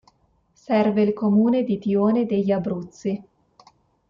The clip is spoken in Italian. Serve il comune di Tione degli Abruzzi.